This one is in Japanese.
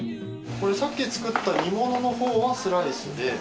これさっき作った煮物のほうはスライスで。